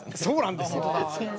そうなんですよ。